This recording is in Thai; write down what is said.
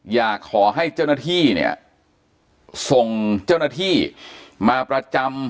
อยากให้เจ้าหน้าที่เนี่ยส่งเจ้าหน้าที่มาประจำ